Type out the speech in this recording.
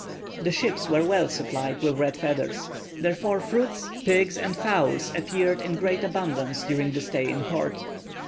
The ships were well supplied with red feathers. Therefore fruits, pigs, and fowls appeared in great abundance during the stay in port.